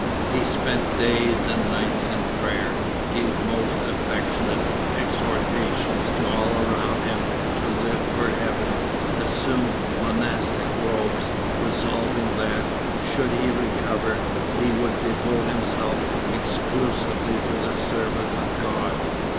He spent days and nights in prayer, gave most affectionate exhortations to all around him to live for heaven, assumed monastic robes, resolving that, should he recover, he would devote himself exclusively to the service of God.